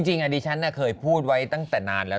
จริงดิฉันเคยพูดไว้ตั้งแต่นานแล้ว